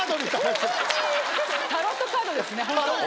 タロットカードですねホント。